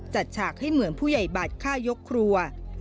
ฉากให้เหมือนผู้ใหญ่บัตรฆ่ายกครัว